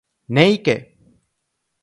¡Néike!